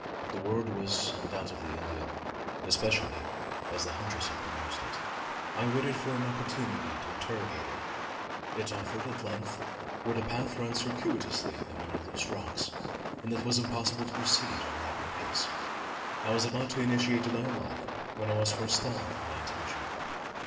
The word was undoubtedly Indian especially as the huntress had pronounced it. I waited for an opportunity to interrogate her. It offered at length where the path ran circuitously among loose rocks, and it was impossible to proceed at a rapid pace I was about initiating a dialogue, when I was forestalled in my intention.